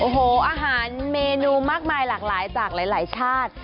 โอ้โหอาหารเมนูมากมายหลากหลายจากหลายชาติ